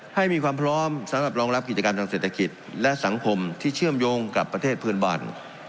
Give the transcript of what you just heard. ให้มีความพร้อมสำหรับรองรับกิจการทางเศรษฐกิจและสังคมที่เชื่อมโยงกับประเทศเพื่อนบ้าน